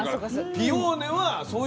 ピオーネはい。